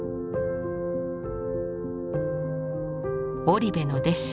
織部の弟子